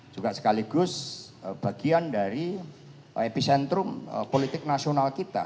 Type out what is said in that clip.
juga sekaligus bagian dari epicentrum politik nasional kita